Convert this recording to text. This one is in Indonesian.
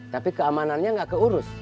tapi keamanannya gak keurus